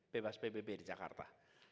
bebas pbb di jakarta